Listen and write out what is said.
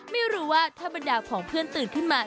ไม่รู้ว่าถ้าบรรดาของเพื่อนตื่นขึ้นมา